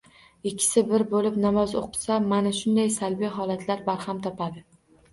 Ikkisi bir bo‘lib namoz o‘qishsa, mana shunday salbiy holatlar barham topadi.